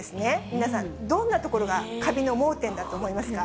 皆さん、どんなところがカビの盲点だと思いますか？